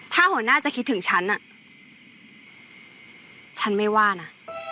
ถ้าหัวหน้าจะคิดถึงฉันฉันไม่ว่านะ